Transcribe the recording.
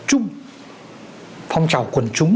chung phong trào quần chúng